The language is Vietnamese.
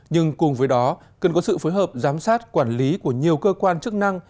nhưng cùng với đó cần có sự phối hợp giám sát quản lý của nhiều cơ quan chức năng